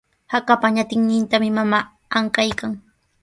Hakapa ñatinnintami mamaa ankaykan.